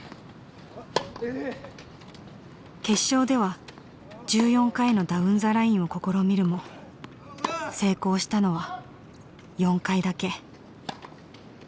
決勝では１４回のダウン・ザ・ラインを試みるも成功したのは４回だけ。